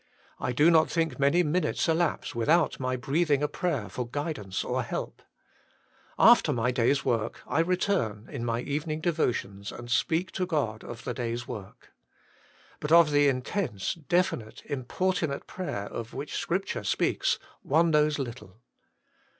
I do not think many minutes elapse without my breathing a prayer for guidance or help. After my day s work, I return in my evening devotions and speak to God of the day s work. But of the intense, definite, importunate prayer of which Scripture speaks one knows little."